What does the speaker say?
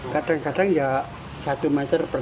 kadang kadang ya satu meter persegi